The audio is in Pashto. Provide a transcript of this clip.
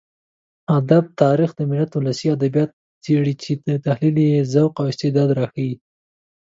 ادب تاريخ د ملت ولسي ادبيات څېړي چې تحليل يې ذوق او استعداد راښيي.